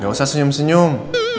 gak usah senyum senyum